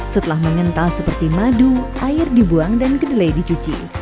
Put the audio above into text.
setelah mengental seperti madu air dibuang dan kedelai dicuci